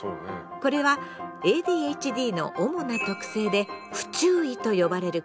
これはＡＤＨＤの主な特性で「不注意」と呼ばれる行動。